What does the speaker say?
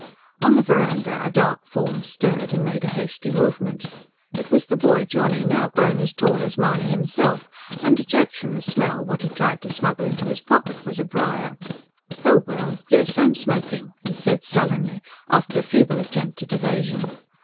On the verandah a dark form stirred and made a hasty movement. It was the boy Johnny now grown tall as Mahony himself and, to judge from the smell, what he tried to smuggle into his pocket was a briar. "Oh well, yes, I'm smoking," he said sullenly, after a feeble attempt at evasion.